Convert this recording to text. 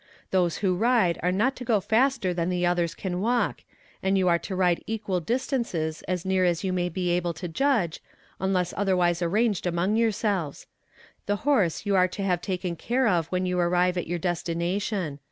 Those who ride are not to go faster than the others can walk, and you are to ride equal distances as near as you may be able to judge, unless otherwise arranged among yourselves. The horse you are to have taken care of when you arrive at your destination.